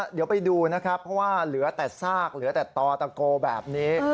เดี๋ยวไปดูนะครับเพราะว่าเหลือแต่ซากเหลือแต่ต่อตะโกแบบนี้